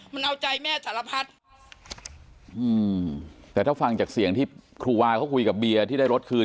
มันเอาใจแม่สารพัดอืมแต่ถ้าฟังจากเสียงที่ครูวาเขาคุยกับเบียร์ที่ได้รถคืน